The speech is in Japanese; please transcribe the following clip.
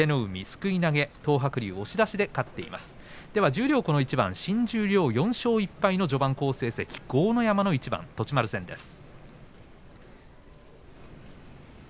十両この一番新十両４勝１敗の序盤好成績豪ノ山の一番栃丸戦です。